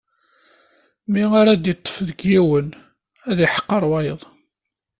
Mi ara ad iṭṭef deg yiwen, ad iḥqer wayeḍ.